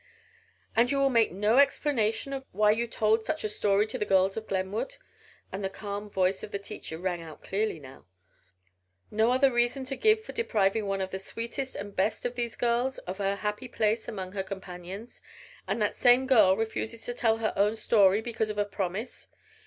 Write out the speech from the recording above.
"And you will make no explanation of why you told such a story to the girls of Glenwood?" and the calm voice of the teacher rang out clearly now. "No other reason to give for depriving one of the sweetest and best of these girls of her happy place among her companions? And that same girl refuses to tell her own story, because of a promise!